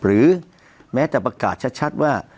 หรือแม้แต่ประกาศชัดว่า